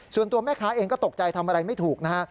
ส่วนตัวแม่ค้าเองก็ตกใจทำอะไรไม่ถูกนะฮะ